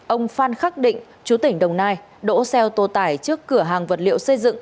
ông phan khắc định chú tỉnh đồng nai đổ xeo tô tải trước cửa hàng vật liệu xây dựng